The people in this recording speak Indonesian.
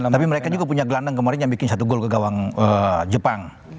tapi mereka juga punya gelandang kemarin yang bikin satu gol ke gawang jepang